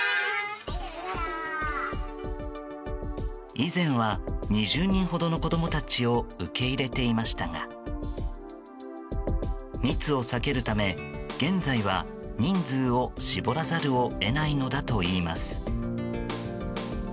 以前は２０人ほどの子供たちを受け入れていましたが密を避けるため、現在は人数を絞らざるを得ないのだといいます。